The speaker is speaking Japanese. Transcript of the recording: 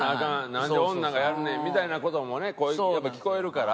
なんで女がやんねんみたいな事もねやっぱ聞こえるから。